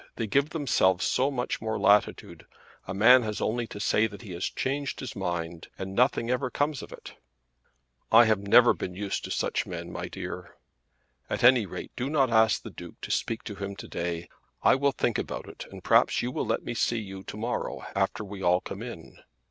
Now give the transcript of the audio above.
They give themselves so much more latitude. A man has only to say that he has changed his mind and nothing ever comes of it." "I have never been used to such men, my dear." "At any rate do not ask the Duke to speak to him to day. I will think about it and perhaps you will let me see you to morrow, after we all come in."